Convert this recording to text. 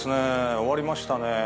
終わりましたね